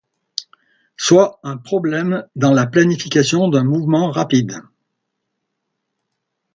Soit un problème dans la planification d'un mouvement rapide.